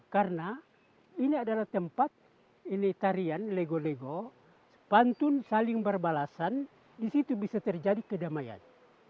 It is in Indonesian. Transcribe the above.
karena ini adalah tempat ini tarian lego lego pantun saling berbalasan disitu bisa terjadi kedamaian